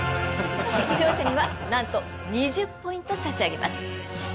勝者にはなんと２０ポイント差し上げます。